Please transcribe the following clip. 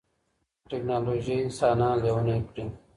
ټيکنالوژي انسانان لېوني کړي.